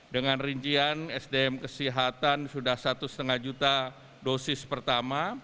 dengan rincian sdm kesehatan sudah satu lima juta dosis pertama